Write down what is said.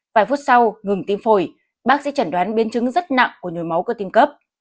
vài phút sau ngừng tim phổi bác sĩ chẩn đoán biến chứng rất nặng của nhồi máu cơ tim cấp